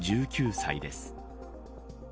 １９歳です。